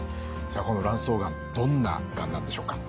さあこの卵巣がんどんながんなんでしょうか？